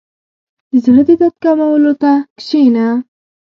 • د زړۀ د درد کمولو ته کښېنه.